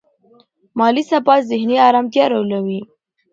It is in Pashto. مالي ثبات ذهني ارامتیا راولي.